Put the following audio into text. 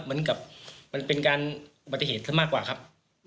เหมือนกับเป็นการอุปติเหตุมากกว่าครับ